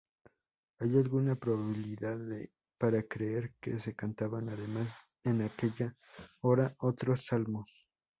Hay alguna probabilidad para creer que se cantaban además en aquella hora otros salmos.